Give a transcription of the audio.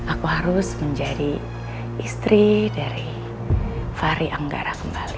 aku harus menjadi istri dari fahri anggara kembali